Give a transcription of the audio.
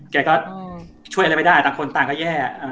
แกก็ช่วยอะไรไม่ได้ต่างคนต่างก็แย่